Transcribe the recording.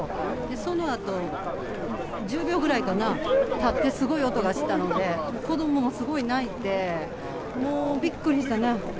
そのあと１０秒くらいかな、たってすごい音がしていたので子どももすごい泣いてびっくりしたね。